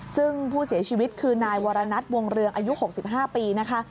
ซึ่งผู้เสียชีวิตคือนายวรณัทวงเรืองอายุ๖๕ปีนะคะ